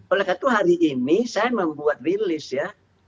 oleh karena itu hari ini saya membuat rilis ya